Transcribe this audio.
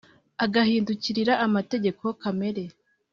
agahindukirira amategeko kamere.